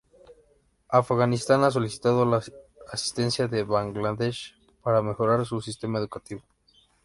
Afganistán ha solicitado la asistencia de Bangladesh para mejorar su sistema educativo.